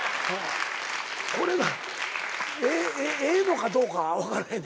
これがええのかどうか分からへんねんけど。